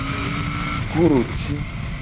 Goroti.